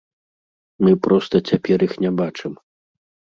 Мы проста цяпер іх не бачым!